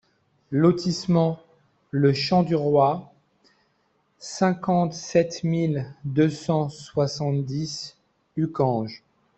Lotissement le Champ du Roy, cinquante-sept mille deux cent soixante-dix Uckange